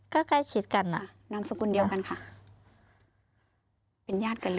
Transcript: ก็ใกล้ชิดกันอ่ะนามสกุลเดียวกันค่ะเป็นญาติกันเลย